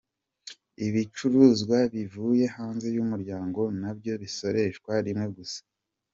Ibicuruzwa bivuye hanze y’Umuryango na byo bisoreshwa rimwe gusa.